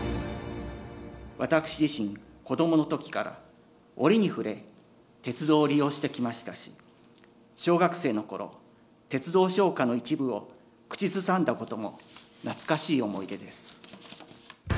私自身、子どものときから折に触れ、鉄道を利用してきましたし、小学生のころ、鉄道唱歌の一部を口ずさんだことも懐かしい思い出です。